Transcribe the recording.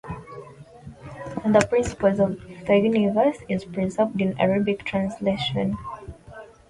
"On the Principles of the Universe" is preserved in Arabic translation.